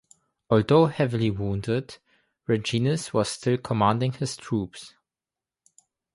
Although heavily wounded, Raginis was still commanding his troops.